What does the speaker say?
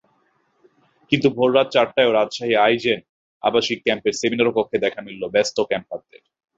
কিন্তু ভোররাত চারটায়ও রাজশাহী আই-জেন আবাসিক ক্যাম্পের সেমিনারকক্ষে দেখা মিলল ব্যস্ত ক্যাম্পারদের।